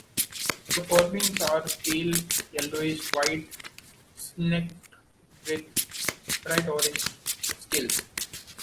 The forewings are pale yellowish white speckled with bright orange scales.